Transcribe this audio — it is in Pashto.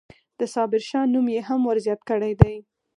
د صابرشاه نوم یې هم ورزیات کړی دی.